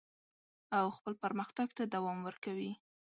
او خپل پرمختګ ته دوام ورکوي.